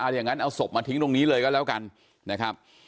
อย่างนั้นเอาศพมาทิ้งตรงนี้เลยก็แล้วกันนะครับ